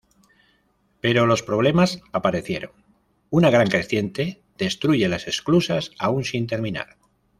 Pero los problemas aparecieron, una gran creciente destruye las esclusas aun sin terminar.